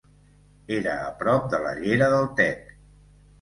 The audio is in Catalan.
Era a prop de la llera del Tec.